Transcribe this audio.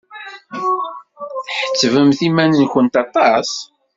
Tḥettbemt iman-nkent aṭas!